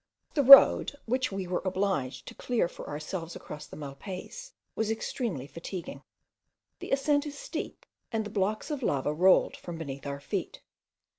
The road, which we were obliged to clear for ourselves across the Malpays, was extremely fatiguing. The ascent is steep, and the blocks of lava rolled from beneath our feet.